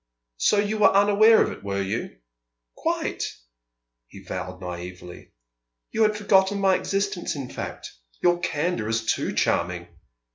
"So you were unaware of it, were you?" "Quite!" he vowed naïvely. "You had forgotten my existence, in fact? Your candour is too charming!"